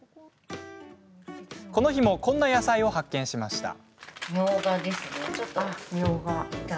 この日も、こんな野菜を発見しました。